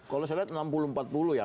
kalau saya lihat enam puluh empat puluh ya